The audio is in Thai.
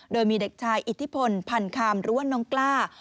โดยมีเด็กชายอิทธิพลพันคำหรือว่าน้องกล้า